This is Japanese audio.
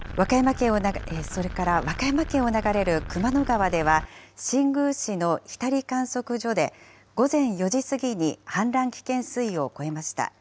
それから和歌山県を流れる熊野川では、新宮市のひたり観測所で午前４時過ぎに氾濫危険水位を超えました。